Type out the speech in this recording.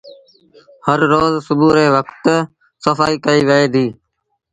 هر روز سُوڀو ري وکت سڦآئيٚ ڪئيٚ وئي ديٚ۔